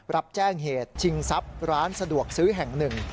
รับแจ้งเหตุชิงทรัพย์ร้านสะดวกซื้อแห่งหนึ่ง